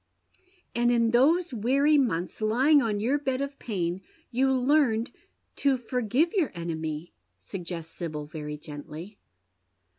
" And in those weary months, lying on your bed of pain, you learned to forgive your enemy," suggests Sibyl, very gently.